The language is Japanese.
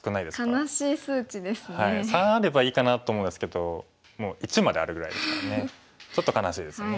３あればいいかなと思うんですけどもう１まであるぐらいですからねちょっと悲しいですね。